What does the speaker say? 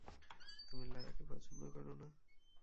তুমি লারা কে পছন্দ কর না?